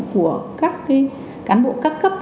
của các cái cán bộ các cấp